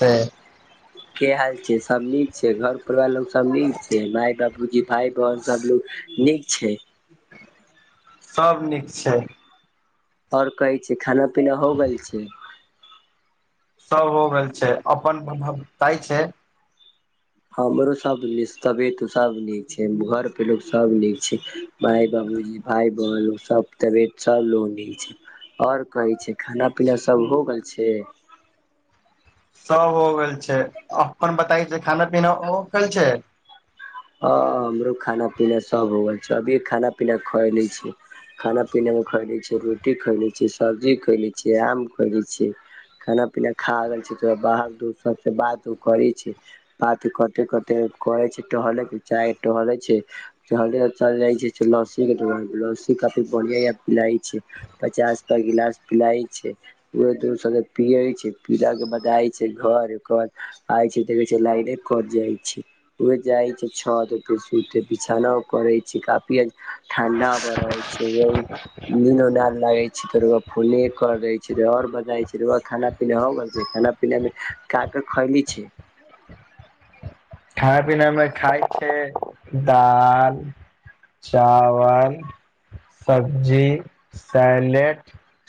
तऽ के हाल छै सब नीक छै घर परिवार लोग सब नीक छै माय बाप जी भाई बहिन सबलोग नीक छै सब नीक छै आओर कहै छै खाना पीना हो गेल छै सब हो गेल छै अपनताय छै हमरो सब नीक तबियत सब नीक छै घर पे लोक सब नीक छै भााय बाबूजी भाय बहन सब तबियत सब लोक नीक छै आओर कहै छै खाना पीना सब हो गेल छै सब हो गेल छै अपन बताई खाना पीना हो गेल छै ह हमरो खाना पीना सब हो गेल छै अभी खाना पीना खाए नहि छै खाना पीना मे खएले छियै रोटी खैले छै सब्जी खैले छियै आम खले छियै खाना पीना खा गेल छी तऽ बाहरू सब बात करै छी बात करते करते करे छै टहले के चाहे टहले छै चल जाइ छै लस्सी के दुकान पर लस्सी काफी बढ़िया पिलाइ छै पचास पर गिलास पिलाय छै पिये छै पीला के बाद जाय छै घर ओकर बाद आय छै देखे छै लाइने कट जाइत छै जाय छै छत पे सुते बिछौना करे छै काफी ठंडा बड़ लीनो ना लागै छै तऽ रौआ फोने कर दैत छै आओर बताै छैआ खाना पीना हो गेल छै खाना पीनामे का का खैले छियै [unintelligible] खाना पीना मे खाय छै दाल चावल सब्जी सैलेड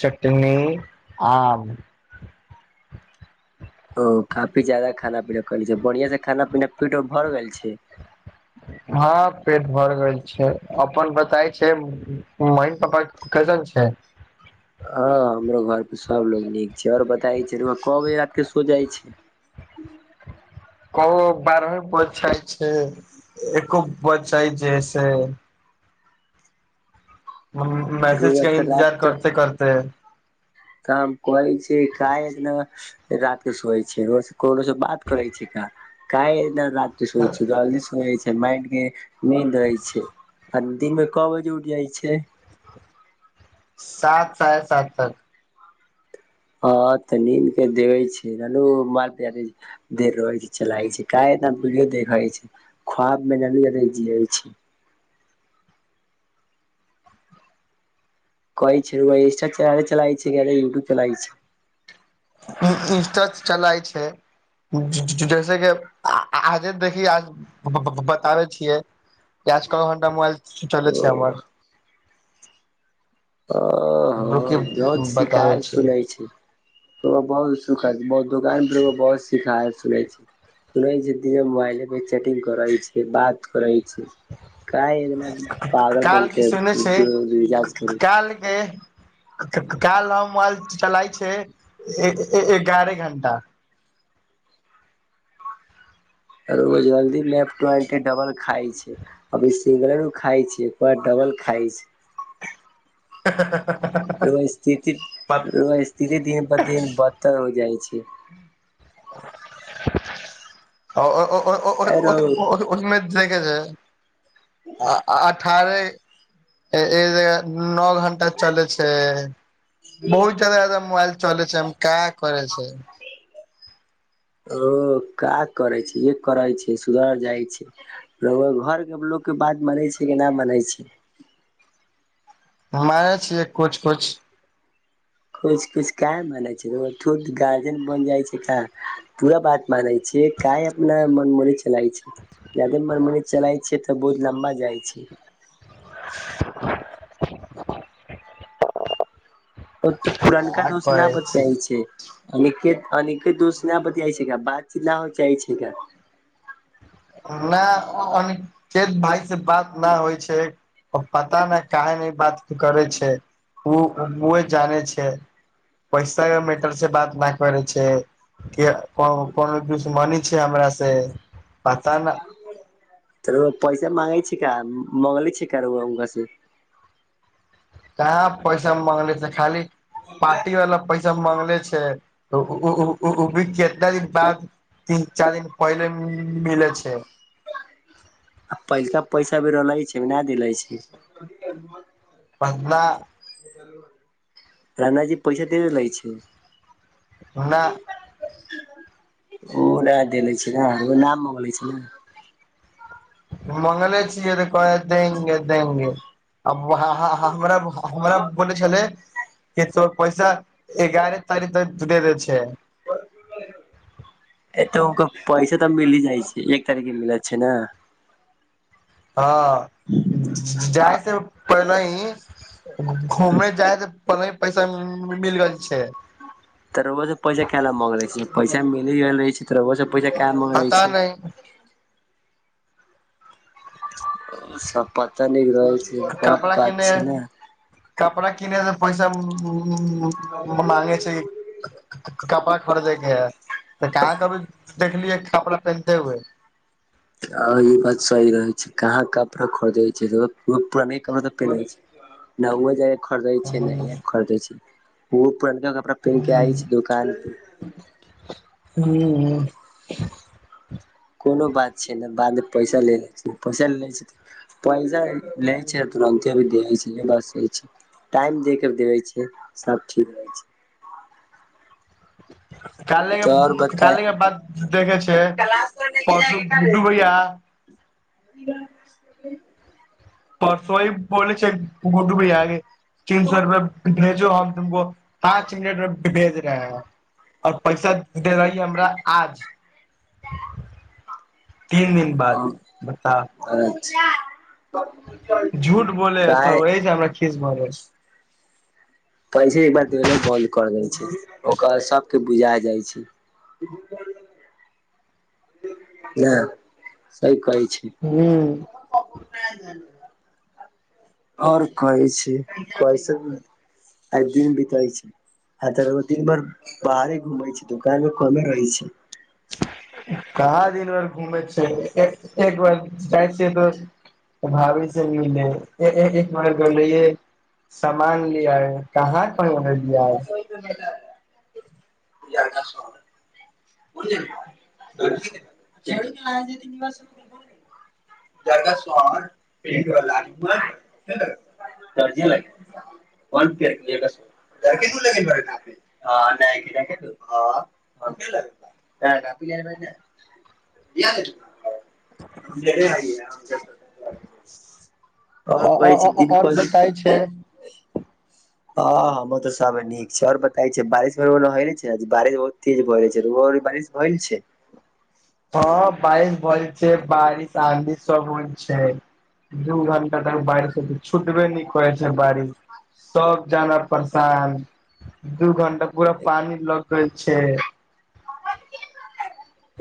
चटनी आम ओ काफी ज्यदा खाना पीना कले छै बढ़िया से खाना पीना पीट भर गेल छै हँ पेट भर गेल छै अपन बताय छै मम्मी पापा के कैसन छैै हँ हमरो घर पे सब लोग नीक छै आऔर बताय जे रउआ बताइ की कबे सो जाइ छै क बारह हो बज जाय छै एको बज जाय छै से मैसेज रउआ का त इन्तजार रात त करते करते काम करै छै काय एतना रात के सोय छै रोज कोनोसँ बात करै छै का काहे इतना रात के सुतय छै जलदी सुत छै माइंडके नींद होइ छै आ दिन मे क बजे उठ जाइ छै सात साढे सात तक हँ तऽ नीम के देबे छै माल पे छै देर रहै छै चलाइ छै क एनाीडियो देखै छै ख्वाब मे जियै छै कहै छै इन्स् चे चलालइ छै यै इट्यूब चला छै इनस्टा चलाय छै जैसेे आजे देखि आज बताबै छियै आज क घण्टा मोल चल छै ओ हमर ओ ह रुकि जत बताबै शिकायत छियै सुनै छै बहुत सुखत दुकान पर बहुत सखा सुै छै सुनै छै द मोबाइले पे चैटिंग करै छै बात करै छै काल सुनै छै काल के [unintelligible] काल हम मोबइल चलाइ छै एगारह घण्टा रो जल्दी लैप टॉइ के डबल खाइ छै अभी सिंगल खाय छै एक बार डबल खायछै ह स्थिति स्थिति दिन पर दिन बदतर हो जाय छै ए रौ [unintelligible] आ अठारह एक जगह नओ घंटा चलै छै बहुत ज्यादा एकदम मोबाइल चले छै हम का करै छै ओ का करै छै इ करै छै सुधर जाय छै घरके लोकके बात मानै छै कि नहि मानै छै हम मानै छियै कुछ कुछो कुछ कूछ का मानै छै गार्जियन बन जाय छै का पूरा बात मानै छियै काय अपना मन में चला छै जादे मरमनी चलाय छै तऽ बहुत लम्बा जाइ छै [unintelligible] ओ तऽ पुरनका का दोष न करै छी बतइ छै अनिकेत अनिकेत दोस नहि बतियाइ जाइ छै बातचीत नहि हो जाइ छै नहि अनिकेत भाय से बात ना होय छै पता नहि काहे नहि ई बात करै छै ओ ओ जाान छै पैसा मेटर से बात नाकरै छै किया को कोनो दुशमनी छै हमरा से पता न तर पैसा मंगै छै क मंगल छै क र ओनक से कहां पैसा मंगली छै खाली पारटी वला पैसा माँगले छै ओ भी केतना दिन बाद तीन चारि दिन पहिले मिले छै आ पैलका पैसा भी रहले छै नहि देले छै [inaudible] पगला रनाजी पैसा दे लै छै हमरा ओ नहि देले छै ने ओ नाम मगले छै ने मंगले छियै कहै हम देंगे देंगे आब आ हमरा बोल छलै पैसा एगारह तारिख तक द दै छै ए तऽ ओकर पैसे तऽ मिल जाइ छै एक तारीख के मिल छै ने हँ जाइ से पहिले ही घूम जाइ से प नहि पैसा मिल गेल छै तऽगोसँ पैसा क ला मग ले छै पैसा मिली गेल रहे छै तऽ पूजा कए मग रहै पता छै नहि सब पता न रहै छै बड़ कपड़ा बात किने छै ने कपड़ा किनेै लै पैसा मांगे छै कपड़ा कपड़ देखे है तऽ कहाँ कभी देखलियै कपड़ा पहिने हुए आ ई बात सही रहै छै कहाँ कपड़ा खोदे छै पुराने कपड़ा तऽ पेरै छै न हुआ जाय खरीदे छै ने खरीदे छै ओ पुरनका कपड़ा पहिन के आय छै दुकान परे हू कोनो बात छै ने बादमे पैसा ले लै छै पैसा लै छै पैसा लै छै तुरन्ते भी देै छै बस हो छै टाइम दे कर देबे छै सब ठीक होइ छै काल ल तऽ आओर बताय काल लके बाद देखे छै परसु गुड्डू भैया [unintelligible] परसहि बो छै गुड्डू भैया के तीन सो रुपए भेजो हम तुमको पाँच मिनट मे भेज रहे है आओर पैसा दे रहली हमरा आज तीन दिन बाद बता अच्छा झूठ बोले [unintelligible] है काहे सब एहि से हमरा खीस भऽ जैत पैसे एकबार देना बन्द कर दै छै ओकर सभके बुझा जाइ छै [unintelligible] ह सही कहै छी हू आओर कहै छी कैसन आइ दिन बीतै छै ह त दिन भर बाहरे घूमे छै दुकान मे कमे रहे छै कहा दिन भर घूमै छै एक बार जाइ छियै तऽ त भाभी से मिले एक बेर गेल रहियै सामान ले आय कहाँ कह ओने लिय आज [unintelligible] [unintelligible] [unintelligible] [unintelligible] [unintelligible] [unintelligible] [unintelligible] [unintelligible] कहै छी दिन आओर कह बताय छै [unintelligible] [unintelligible] हँ [unintelligible] दू घंटा तक बाारिसँ छुटबे नहि करैत छै बारिश सब जाना परेशान दू घंटा पूरा पानी लग गेल छै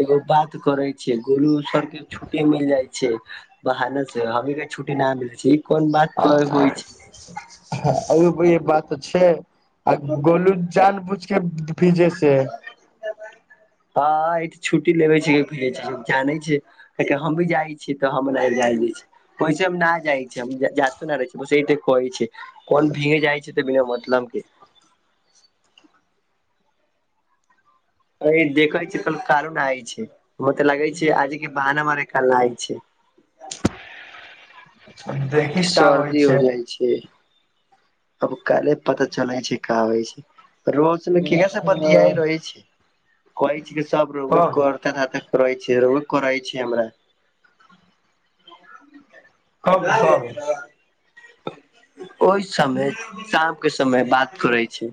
एगो बात करे छै गोलू सर के छुट्टी मिल जाइ छै बहानस से ही के छुट्टी न मिलै छै ई कोन बात होइ छै हम आ ई बात तऽ छै आ गोलू जान बूझके पीजे से हँ त छुट्टी लेबे छ जानै छै केकि हम भी जाइ छियै तऽ हमरा जाय छी वैस हम न जाइ छै जातो न रहै छै बसठे कहै छै कोन भींगे जाइ छै तऽ बिना मतलम के [unintelligible] देखी का होइ छै जी अब काल्हि पता चलै छै का होइ छै रो क से पतिया कब रहै छै कहै छै सब रौए कर [unintelligible] कब कब ओहि समय शाम के समय बात करै छै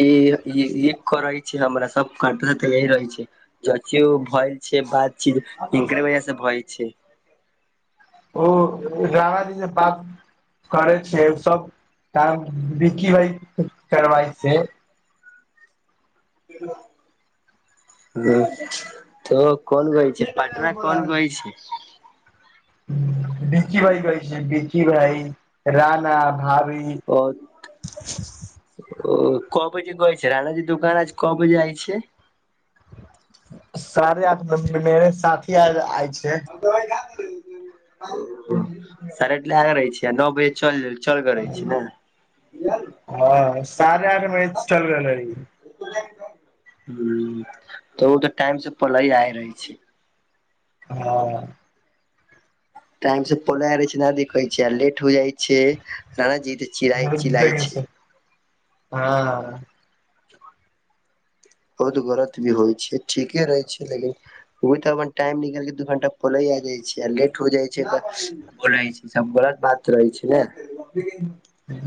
ई एक करै छै हमरा सब कट तऽ यही रहै छै चथ भय छै बाज छै हनक बाज से भय छै [unintelligible] करै छै सब काम बिकी भाय करबै छै ह ह तऽ कोन गैल छै पटना कोन गैल छै बिकी भाइ कहै छै बिकी भाइ राना भभी आओर ओ क बजे गइ छै रानाजी दोकान आज क बजे आइ छै सारे आठ मेरे साथी आय आय छै सरल आगे रहै छै नओ बज चल चल करै छी ने य हँ साढ़े आठ बजे चलगेलै ह तऽ ओ तऽ टाइम से पली आ रहे छै हँ टाइम से पहले आय रहे छै देखे छै लेट हो जाय छै जी चिलाई छै हँ बहुत गलत भी होइ छै ठीके रहै छै लेकिन ओ तऽ अपन टाइम निकल कऽ दू घण्टा पहिले आ जाइत छै लेट हो जाइ छै तऽ बोलै छै सबरा बात रहै छै ने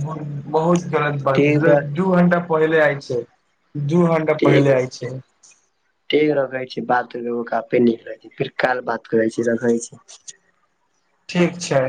बहुत गलत बात ठीक ह बा दू घं्टा पहिले आय छै दू घंटा पहिले आय छै ठ रखै छै बाते नीक रहै छै फिर काल बात करै छै रखै छी ठीक छै